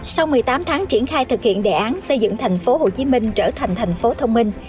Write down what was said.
sau một mươi tám tháng triển khai thực hiện đề án xây dựng tp hcm trở thành tp thông minh